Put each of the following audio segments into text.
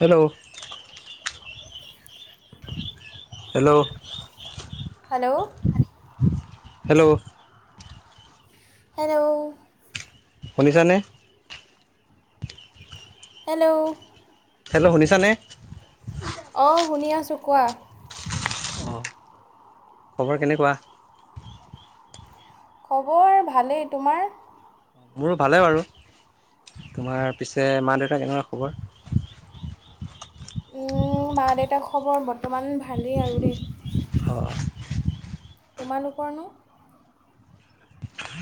Hello hello hello hello hello শুনিছা নে hello hello শুনিছা নে অ' শুনি আছো কোৱা। খবৰ কেনেকুৱা? খবৰ ভালেই, তোমাৰ? মোৰো ভালে বাৰু, তোমাৰ পিছে মা-দেউতা কেনেকুৱা খবৰ? মোৰ মা-দেউতা খবৰ বৰ্তমান ভালেই আৰু দেই। অ'। তোমালোকৰ নো?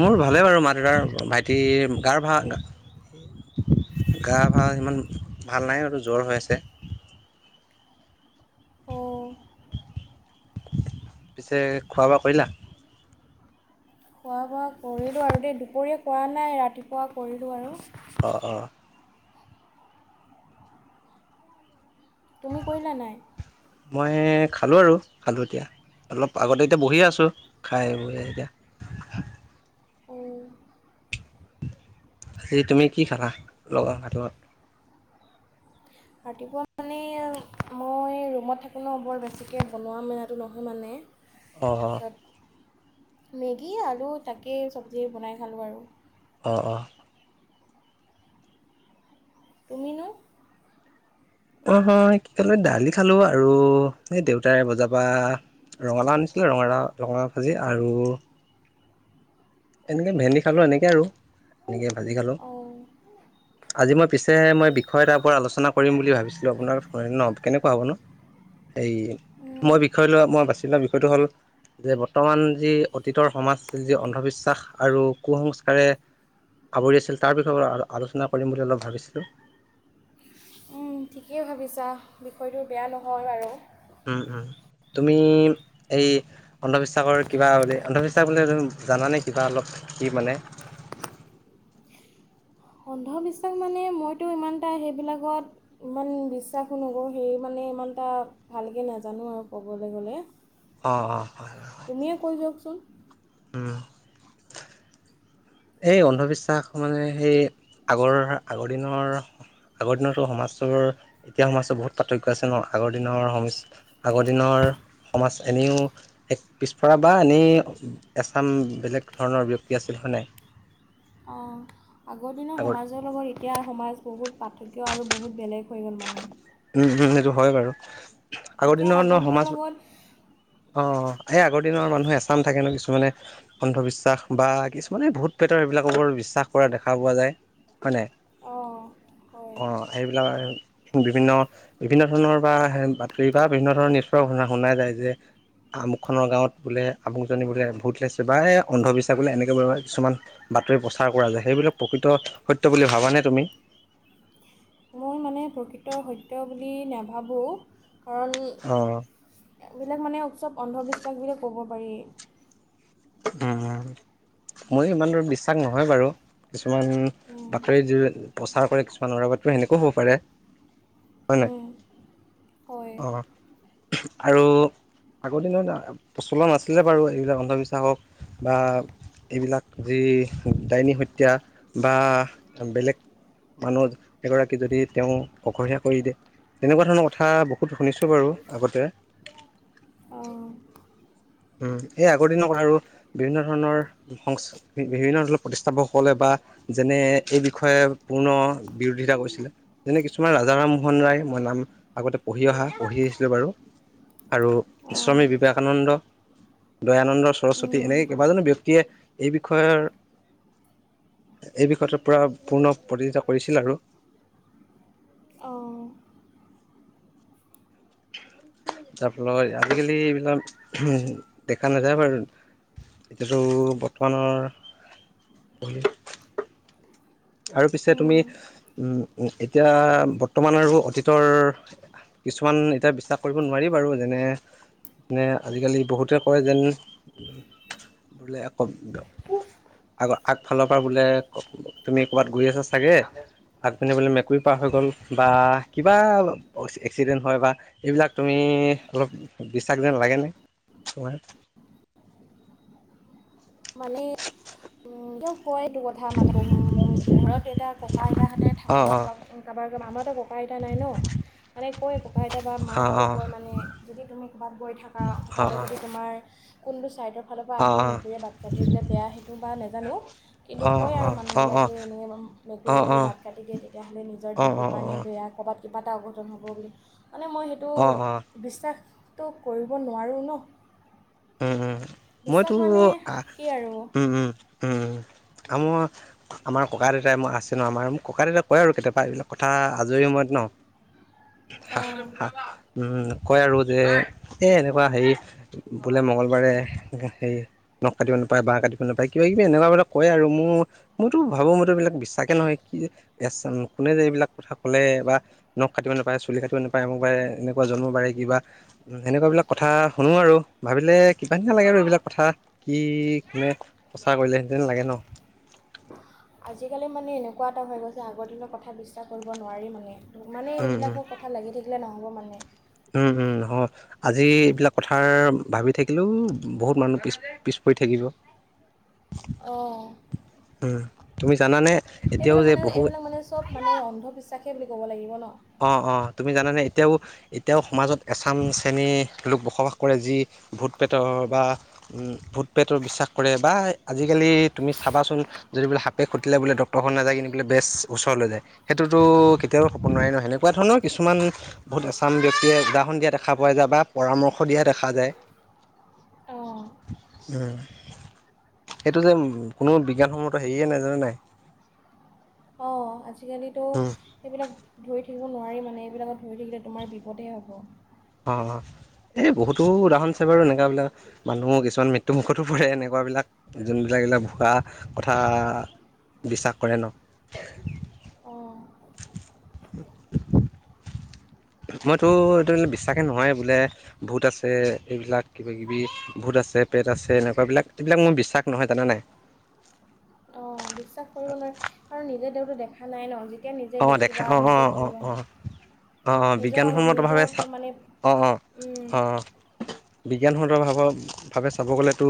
মোৰ ভালে বাৰু, মা -দেউতাৰ, ভাইটিৰ গাৰ ভা গা ভাল, সিমান ভাল নাই আৰু জ্বৰ হৈ আছে। অঁ পিছে খোৱা-বোৱা কৰিলা? খোৱা-বোৱা কৰিলোঁ আৰু দেই, দুপৰীয়া কৰা নাই, ৰাতিপুৱা কৰিলোঁ আৰু। অ', অ'। তুমি কৰিলা নাই? মই খালো আৰু, খালো এতিয়া। অলপ আগতে এতিয়া বহি আছোঁ, খাই বৈ এতিয়া। অঁ আজি তুমি কি খালা? লগত ভাতৰ লগত। ৰাতিপুৱা মানে মই ৰুমত থাকোঁ ন', বৰ বেছিকে বনোৱা মেলাটো নহয় মানে। অ', অ'। তাত, মেগী, আলু তাকেই চবজি বনাই খালোঁ আৰু। অ', অ'। তুমি নো? অ' হ কি খালোঁ, দালি খালো আৰু এই দেউতাই বজাৰ পা ৰঙালাও আনিছিলে, ৰঙালাওঁ, ৰঙালাওঁ ভাজি আৰু এনেকে ভেন্দি খালোঁ, এনেকে আৰু এনেকে ভাজি খালোঁ। অঁ আজি মই পিছে মই বিষয় এটাৰ ওপৰত আলোচনা কৰিম বুলি ভাবিছিলো, আপোনাৰ ফৰেণত কেনেকুৱা হ'ব নো? এই উম, মই বিষ ধৰি লোৱা মই বাছি লোৱা বিষয়টো হ'ল যে, বৰ্তমান যি অতীতৰ সমাজ যি অন্ধবিশ্বাস বিশ্বাস আৰু কুসংস্কাৰে আৱৰি আছিল, তাৰ বিষয়ে আলোচনা কৰিম বুলি অলপ ভাবিছিলো। উম' ঠিকেই ভাবিছা, বিষয়টো বেয়া নহয় বাৰু। উম' উম' তুমি এই অন্ধবিশ্বাসৰ কিবা বুলি, অন্ধবিশ্বাস বুলি জানানে, কিবা অলপ কি মানে? অন্ধবিশ্বাস মানে মইতো ইমানটা সেইবিলাকত। ইমান বিশ্বাসো নকৰো, সেই মানে ইমানটা। ভালকে নাজানো আৰু ক'বলে গ'লে। অ', অ', হয়। তুমিয়ে কৈ যওঁকচোন। উম'। সেই অন্ধবিশ্বাস মানে, সেই আগৰ, আগৰ দিনৰ। আগৰ দিনতো সমাজৰ, এতিয়া সমাজৰ বহুত পাৰ্থক্য আছে ন', আগৰ দিনৰ সম আগৰ দিনৰ সমাজ, এনেও এক পিছপৰা বা এনেই এছাম বেলেগ ধৰণৰ ব্যক্তি আছিল হয়নে? অ' আগৰ দিনৰ সমাজ। আগত মাজৰ লগত এতিয়া সমাজ বহুত পাৰ্থক্য আৰু বহুত বেলেগ হৈ গ'ল মানে। উম, ' উম', সেইটো হয় বাৰু, আগৰ দিনৰ মানুহ সমাজ অ' এই আগৰ দিনৰ মানুহে এচাম থাকে ন' কিছুমানে। অন্ধবিশ্বাস বা কিছুমানে ভূত পেটৰ সেইবিলাকৰ বিশ্বাস কৰা দেখা পোৱা যায়, হয় নাই? অ', হয়',। অ সেইবিলাক আৰু বিভিন্ন বিভিন্ন ধৰণৰ বা বাতৰি বা বিভিন্ন ধৰণৰ নিষ্প শুনাই যায় যে। আমুকখনৰ গাঁৱত বোলে আমুকজনী বোলে ভূত ওলাইছে বা এই অন্ধবিশ্বাস বোলে এনেকৈ বাৰু কিছুমান। বাতৰি প্ৰচাৰ কৰা যায় সেইবিলাক প্ৰকৃত সত্য বুলি ভাবানে তুমি? মই মানে প্ৰকৃত সত্য বুলি নাভাবোঁ কাৰণ অ এইবিলাক মানে উৎসৱ অন্ধবিশ্বাস বুলি ক'ব পাৰি। উম', ময়ো ইমান দূৰ বিশ্বাস নহয় বাৰু। কিছুমান বাতৰি জ' প্ৰচাৰ কৰে কিছুমান ও'ৰা বাত সেনেকোৱাও হ'ব পাৰে। হয় নে নহয়? পাৰি হয় অ',। আৰু আগৰ দিনত প্ৰচলন আছিলে বাৰু, এইবিলাক অন্ধবিশ্ব থাকক বা এইবিলাক যি ডাইনী হত্যা বা বেলেগ মানুহ এগৰাকী যদি তেওঁ অকলহীয়া কৰি দিয়ে। তেনেকুৱা ধৰণৰ কথা বহুত শুনিছোঁ বাৰু আগতে। অ',। উম', এই আগৰ দিনত আৰু বিভিন্ন ধৰণৰ। সং বিভিন্ন ধৰণৰ প্ৰতিষ্ঠাপকসকলে বা যেনে এই বিষয়ে পূৰ্ণ বিৰোধিতা কৰিছিলে। যেনে কিছুমান ৰাজা ৰামমোহন ৰায়, মই নাম আগতে পঢ়ি অহা পঢ়ি আহিছিলো বাৰু। আৰু স্বামী বিবেকানন্দ। দয়ানন্দ সৰস্বতী এনেকে কেইবাজনো ব্যক্তিয়ে এই বিষয়ৰ এই বিষয়টো পূৰা পূৰ্ণ প্ৰতিযোগিতা কৰিছিল আৰু। অ',। তাৰপাত আজিকালি এইবিলাক উ' দেখা নাযায় বাৰু। এতিয়ো বৰ্তমানৰ আৰু পিছে তুমি অঁ উম', এতিয়া বৰ্তমান আৰু অতীতৰ কিছুমান এতিয়া বিশ্বাস কৰিব নোৱাৰি বাৰু যেনে যেনে আজিকালি বহুতে কয় যেন। বোলে কম আগৰ আগফালৰ পৰা বোলে ক' তুমি ক'ৰবাত গৈ আছা চাগে। আগ পিনে বলে মেকুৰী পাৰ হৈ গ'ল বা কিবা এক্সিডেণ্ট হয় বা এইবিলাক তুমি অলপ বিশ্বাস যেন লাগে নে তোমাৰ? মানে কয় এটো কথা। কথা মানে ঘৰত কেইতটা ককা-আইতাহঁতে অ থাক'ৰবাত, অ কাৰোবাৰ কাৰোব আমাৰতো ককা-আইতা নাই ন'। মানে কয় কক-আইতা বা অ মাহঁতেক কয় মানে। যদি তুমি ক'ৰবাত গৈ থাকা, অ হঠাতে যদি তোমাৰ কোনটো ছাইডৰ ফালৰ পৰা অ অ আহিলে মেকুৰীয়ে বাট কাটি দিলে বেয়া সেইটো বা নাজানো। কিন্তু অ কয় আৰু অ অ অ অ অ অ মানুহবিলাকেএনেকে ওভ মেকুৱে যদি বাট কাটি দিয়ে, তেতিয়াহ'লে নিজৰ অ অ দিনটোৰ কাৰণে বে য়া ক'ৰবাত কিবা এটা অঘটন হ'ব বুলি, মানে মই সেইটো অ অ বিশ্বাসটো কৰিব নোৱাৰোঁ ন'। উম', উম', উম', বিশ্বাস মইতো মানে আ‌' কি আৰু উম', ই‌' আমাৰ ককা দেউতাই মই আছে ন' আমাৰ, ককা দেউতাই কয় আৰু কেতিয়াবা এইবিলাক কথা আজৰি সময়ত ন'। হা হা অঁ হা উম কয় আৰু যে এ এনেকুৱা হেৰি বোলে মঙগলবাৰে নখ কাটিব নাপায়, বাঁহ কাটিব নাপায়, কিবা কিবি এনেকুৱা বিলাক কয় আৰু মোৰ। মইতো ভাবোঁ মইতো এইবিলাক বিশ্বাসে নহয়। কি যে কোনে যে এইবিলাক কথা ক'লে বা নখ খাটিব নাপায় চুলি কাটিব নাপায় মোক বাৰে এনেকুৱা জন্ম বাৰে কিবা। উম সেনেকুৱা বিলাক কথা শুনো আৰু। ভাবিলে কিবা নিচিনা লাগে আৰু এইবিলাক কথা কি মানে প্ৰচাৰ কৰিলে সেতেন লাগে ন। আজিকালি মানে এনেকুৱা এটা হৈ গৈছে, আগৰ দিনৰ কথা বিশ্বাস কৰিব নোৱাৰি মানে। মানে উম সেইবিলাকৰ কথা লাগি থাকিলে নহ'ব মানে। উম উম হয়। আজি এইবিলাক কথা ভাবি থাকিলেও বহুত মানুহ পিছ পিছ পৰি থাকিব। [inaudible] অঁ। উম তুমি জানানে। এতিয়াও এইবিলাক যে মানে বহু এইবিলাক মানে চব মানে অন্ধবিশ্বাসেই বুলি ক'ব লাগিব ন। অ অ তুমি জানে এতিয়াওঁ এতিয়াও সমাজত এচাম শ্ৰেণীৰ লোক বসবাস কৰে যি ভূত প্ৰেতৰ বা ভূত প্ৰেতৰ বিশ্বাস কৰে বা আজিকালি তুমি চাবাচোন। যদি বোলে সাপে, খুটিলে বোলে ডক্তৰৰ ঘৰলৈ নাযায় কিনে বোলে বেজৰ ওচৰলৈ যায়। সেইটোতো কেতিয়াও হ'ব নোৱাৰে নহয়। এনেকুৱা ধৰণৰ কিছুমান। বহুত এছাম ব্যক্তিয়ে উদাহৰণ দিয়া দেখা পোৱা যায় বা পৰামৰ্শ দিয়া দেখা যায়। অঁ উম। সেইটো যে কোনো বিজ্ঞানসন্মত, হেৰিয়ে নাই জানে নাই। অঁ আজিকালিতো এইবিলাক ধৰি ধৰি থাকিব নোৱাৰি মানে এইবিলাকত ধৰি থাকিলে তোমাৰ বিপদহে হ'ব। অ, অঁ। এই বহুতো উদাহৰণ আছে বাৰু এনেকুৱা বিলাক মানুহো কিছুমান মৃত্যু মুুখতো পৰে এনেকুৱা বিলাক। যোনবিলাক এইবিলাক ভুৱা কথা বিশ্বাস কৰে ন। অঁ মইতো এইটো বিশ্বাসেই নহয় বোলে ভূত আছে এইবিলাক কিবা কিবি। ভূত, আছে প্ৰেত, আছে এনেকুৱা বিলাক এইবিলাক মই বিশ্বাস নহয় জানা নাই। অঁ বিশ্বাস কৰিবলৈ কাৰণ নিজে যিহেতু নিজেই দেখা নাই ন। তেতিয়া নিজে অ', দেখা দেখিবা অ', নিজে অ', অ', কিবা অ', অ', নিজৰ নিজৰ ওপৰত মানে। অঁ উম, অঁ বিজ্ঞান সন্মতভাৱে চাব গ'লে তো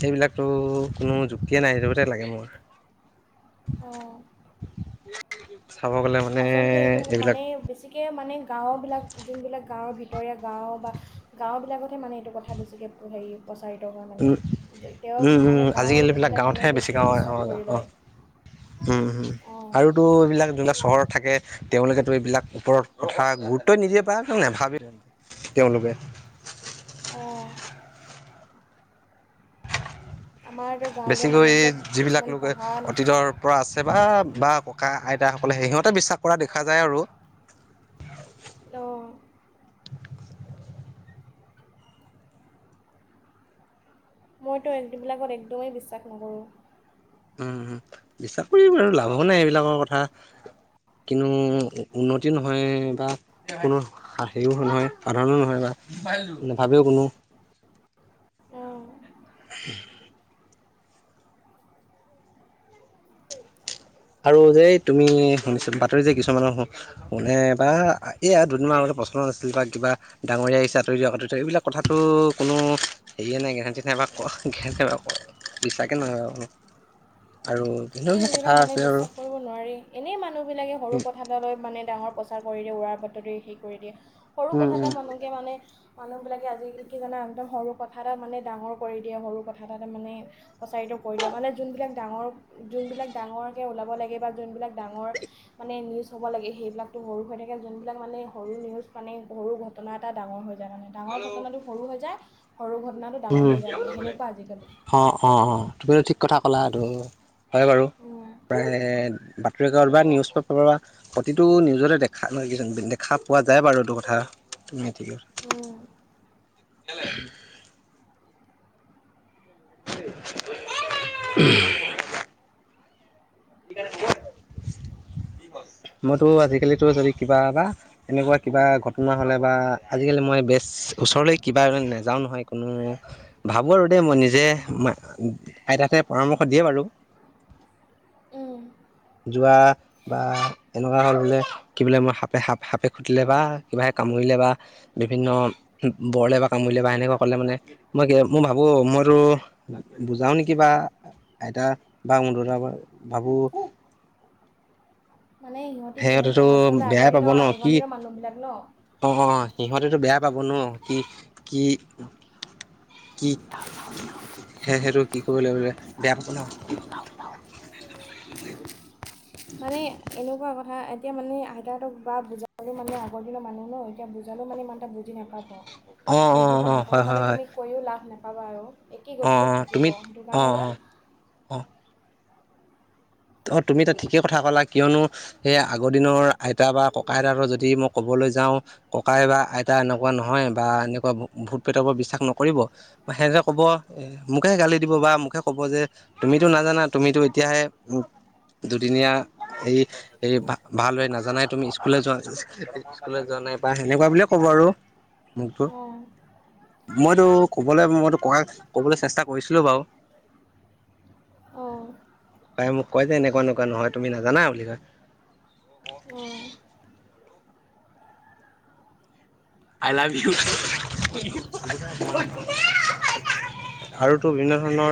সেইবিলাকতো কোনো যুক্তিয়েই নাই এইটো গতে লাগে মোৰ অঁ। চাব গ'লে মানে আচলতে এইটো মানে এইবিলাক বেছিকে মানে গাঁওৰ বিলাক যোনবিলাক গাঁৱৰ ভিতৰত ভিতৰিয়া গাঁও বা গাঁওবিলাকতহে মানে এইটো কথা বেছিকে হেৰি প্ৰচাৰিত হয় মানে। তেওঁ উম, মানে উম, আজিকালি এইবিলাক গাঁৱবিলাক গাঁৱতহে মানুহ বেছি বেছিকৈ গাঁও অ', বিশ্বাস কৰি লয়। অ'। উম হম অঁ আৰুতো এইবিলাক যোনবিলাক চহৰত থাকে তেওঁলোকেতো এইবিলাক ওপৰত কথা গুৰুত্বই নিদিয়ে বা নাভাবে ও তেওঁলোকে। অঁ। আমাৰতো গাঁৱলীয়া বেছিকৈ মানুহবিলাক যিবিলাক কিছুমান লোকে পঢ়া অতীতৰ পৰা আছে বা বা ককা, আইতাসকলে, সেই সিহঁতে বিশ্বাস কৰা দেখা যায় আৰু। অঁ। মইতো এইবিলাকত একদমেই বিশ্বাস নকৰোঁ। উম, উম, বিশ্বাস কৰিম, আৰু লাভো নাই এইবিলাকৰ কথা। কিন্তু উন্নতি নহয় বা। কোনো হেৰিও নহয়, সাধাৰণো নহয়, বা নাভাবেও কোনো। অ'। আৰু যে তুমি শুনিছোঁ, বাতৰি যে কিছুমানৰ কোনে বা এইয়া দুদিনমানৰ আগতে প্ৰশ্ন নাছিল বা কিবা ডাঙৰ আহিছে আতৰি দিয়া, এইবিলাক কথাটো কোনো হেৰী এই নাই, [unintelligible] বিশছাকে নহয়ব আৰু [unintelligible] কথা এইবিলাক মানে আ বিশ্বাস কৰিব নোৱাৰি। এনেই মানুহবিলাকে সৰু কথালৈ মানে ডাঙৰ প্ৰচাৰ কৰি দিয়ে, উৰাৰ বাতৰি সেই কৰি দিয়ে। সৰু উম কথা উম এটা মানুহয়ে মানে মানুহবিলাকে আজিকালি কি জানা, একদম সৰু কথা এটা মানে ডাঙৰ কৰি দিয়ে, সৰু কথা এটা মানে প্ৰচাৰিত কৰি দিয়ে, মানে যোনবিলাক ডাঙৰ, যোনবিলাক ডাঙৰকে ওলাব লাগে বা যোনবিলাক ডাঙৰ মানে নিউজ হ'ব লাগে, সেইবিলাকতো সৰু হৈ থাকে, যোনবিলাক মানে সৰু নিউজ মানে সৰু ঘটনা এটাই ডাঙৰ হৈ যায় মানে। ডাঙৰ ঘটনাটো সৰু হৈ যায়, সৰু ঘটনাটো ডাঙৰ উম হৈ যায়, মানে সেনেকুৱা আজিকালি। অ', অ', অ', তুমিতো ঠিক কথা ক'লা, এইটো হয় বাৰু, আজিকালি প্ৰায় ৰেড বা নিউজ পেপাৰৰ বা প্ৰতিটো নিউজতে দেখা, দেখা পোৱা যায় বাৰু এইটো কথা। উম, ঠিকেই আছোঁ। উম। দিলে। উম। মইতো আজিকালিটো যদি কিবা বা এনেকুৱা কিবা ঘটনা হ'লে বা আজিকালি মই বেচ ওচৰলৈ কিবা নাযাও নহয়, কোনো ভাবোঁ আৰু দেই মই নিজে, আইতা হতে পৰামৰ্শ দিয়ে বাৰু। উম। যোৱা বা এনেকুৱা হ'ল বোলে, কি বোলে মই সাপে-সাপ-সাপে খুটিলে বা কিবাহে কামুৰিলে বা বিভিন্ন বৰলে বা কামুৰিলে বা সেনেকুৱা ক'লে মানে মই কি, মই ভাবো মইতো বুজাও নেকি বা, আইতা বা ম দুতাৰ পৰা ভাবো। মানে সিহঁতি কেনেক সিহঁতেতো আচলতে বেয়াই আগৰ পাব দিনৰ, ন কি আগৰ দিনৰ মানুহবিলাক ন'? অ', অ', সিহঁতেতো বেয়া পাব ন' কি-কি কি, সে-সেইটো কি কৰিব লাগিব, বেয়া পাব ন'। মানে এনেকুৱা কথা এতিয়া মানে আইতাহতক বা বুজালে মানে আগৰ দিনৰ মানুহ ন' এতিয়া বুজালেও মানে ইমান এটা বুজি নাপাব, অ অ অ বুজি নাপাব, হয় হয় মানে হয় তুমি কৈও লাভ নাপাবা আৰু। একেই অ অ গতিকে থাকিব, তুমি সেইটো অ অ কাৰণে যে অ অ', তুমি ঠিকেই কথা ক'লা, কিয়নো সেই আগৰ দিনৰ আইতা বা ককা আইতাৰ হঁতৰ যদি মই ক'বলৈ যাওঁ ককাই বা আইতা এনেকুৱা নহয়, বা এনেকুৱা ভোত প্ৰেটৰ বিশ্বাস নকৰিব। সিহঁতে ক'ব এ মোকহে গালি দিব, বা মোকে ক'ব যে, তুমিতো নাজানা তুমিতো এতিয়াহে উ, দুদিনীয়া এই সেই ভ-ভাল হয়, নাজানাই তুমি স্কুলে যোৱা স্কুলে যোৱা নাই, বা সেনেকুৱা বুলিয়ে ক'ব আৰু। মোকত, অঁ মইতো ক'বলৈ মইতো ককাক ক'বলে চেষ্টা কৰিছিলো বাৰু। অ'। তাই মোক কয় যে এনেকুৱা, এনেকুৱা নহয়। তুমি নাজানা বুলি কয়! অঁ আই লা ভিউ [unintelligible] আৰু তো বিভিন্ন ধৰণৰ